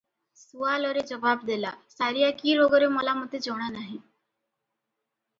ସୁଆଲରେ ଜବାବ ଦେଲା ସାରିଆ କି ରୋଗରେ ମଲା ମୋତେ ଜଣାନାହିଁ ।